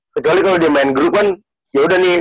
kecuali kalau dia main group kan yaudah nih